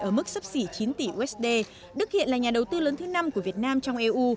ở mức sấp xỉ chín tỷ usd đức hiện là nhà đầu tư lớn thứ năm của việt nam trong eu